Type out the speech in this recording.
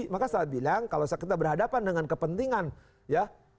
maka saya bilang kalau kita berhadapan dengan kepentingan ya